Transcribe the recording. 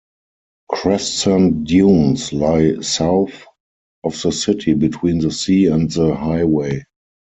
Crescent dunes lie south of the city, between the sea and the highway.